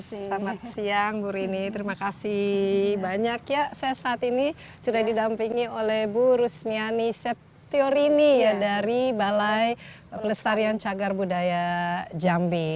selamat siang bu rini terima kasih banyak ya saya saat ini sudah didampingi oleh bu rusmiani setiorini dari balai pelestarian cagar budaya jambi